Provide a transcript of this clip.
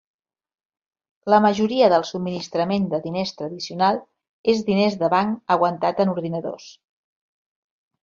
La majoria del subministrament de diners tradicional és diners de banc aguantat en ordinadors.